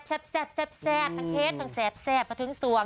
แซ่บแซ่บทั้งเพชรต้องแซ่บเพราะถึงสวง